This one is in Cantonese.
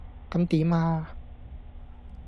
咁點呀?